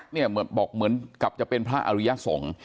บอกเหมือนกับจะเป็นพระอริยสงฆ์